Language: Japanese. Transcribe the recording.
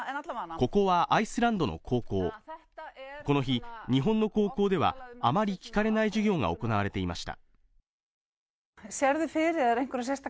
ここはアイスランドの高校この日日本の高校ではあまり聞かれない授業が行われていました